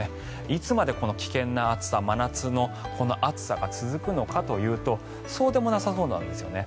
いつまでこの危険な暑さ真夏の暑さが続くのかというとそうでもなさそうなんですよね。